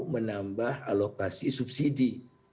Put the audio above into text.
tidak mau menambah alokasi subsidi